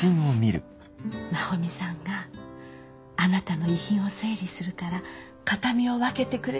奈穂美さんがあなたの遺品を整理するから形見を分けてくれるって。